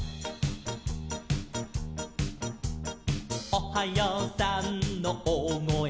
「おはようさんのおおごえと」